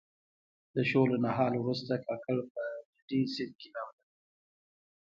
د شولو نهال وروسته کاکړ په ډډي سیند کې لامبل.